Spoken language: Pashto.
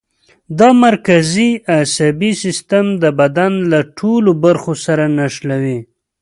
دا مرکزي عصبي سیستم د بدن له ټولو برخو سره نښلوي.